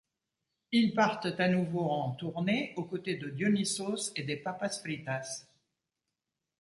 Ils partent à nouveau en tournée, aux côtés de Dionysos et des Papas Fritas.